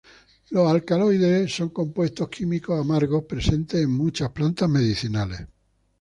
Los alcaloides son compuestos químicos amargos, presentes en muchas plantas medicinales.